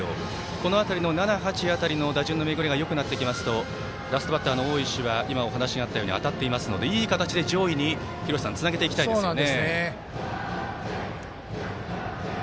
この辺りの７、８辺りの打順の巡りがよくなってきますとラストバッターの大石は今お話しあったように当たっているので、いい形で上位につなげていきたいですね。